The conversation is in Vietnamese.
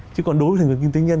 chứ còn đối với người kinh tế nhân